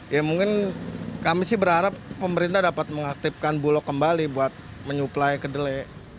ya mungkin kami sih berharap pemerintah dapat mengaktifkan bulog kembali buat menyuplai kedelai